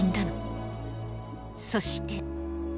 そして。